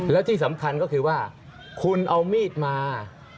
แล้วที่สำคัญก็คือว่าคุณเอามีดมา